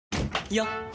よっ！